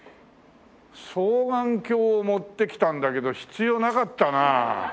双眼鏡を持ってきたんだけど必要なかったな。